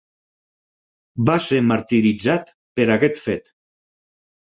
Va ser martiritzat per aquest fet.